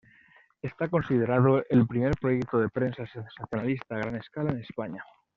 Está considerado el primer proyecto de prensa sensacionalista a gran escala en España.